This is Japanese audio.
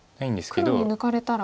黒に抜かれたら。